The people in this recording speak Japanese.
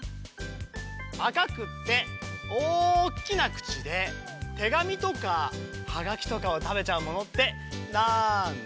「あかくっておおきなくちでてがみとかはがきとかをたべちゃうものってなんだ？」。